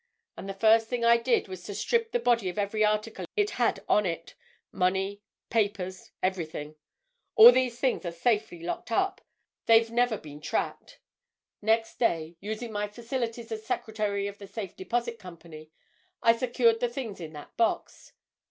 And the first thing I did was to strip the body of every article it had on it—money, papers, everything. All these things are safely locked up—they've never been tracked. Next day, using my facilities as secretary to the Safe Deposit Company, I secured the things in that box.